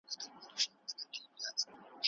د مځکي ساتنه د ټولو انسانانو دنده ده.